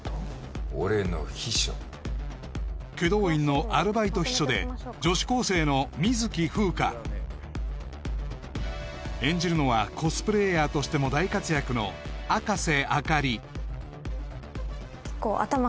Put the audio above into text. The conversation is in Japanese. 俺の秘書祁答院のアルバイト秘書で女子高生の水樹風華演じるのはコスプレイヤーとしても大活躍のあかせ